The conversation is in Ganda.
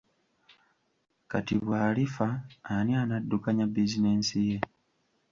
Kati bw'alifa ani anaddukanya bizinensi ye!